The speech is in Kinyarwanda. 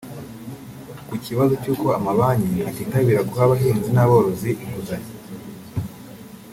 Ku kibazo cy’uko amabanki atitabira guha abahinzi n’aborozi inguzanyo